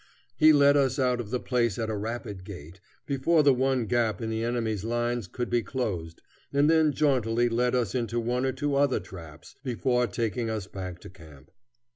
He led us out of the place at a rapid gait, before the one gap in the enemy's lines could be closed, and then jauntily led us into one or two other traps, before taking us back to camp.